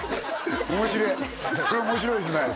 面白えそれ面白いですね